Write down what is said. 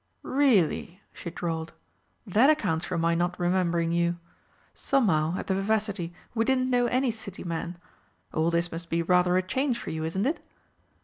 "Really?" she drawled. "That accounts for my not remembering you. Somehow, at the Vivacity, we didn't know any City men. All this must be rather a change for you, isn't it?"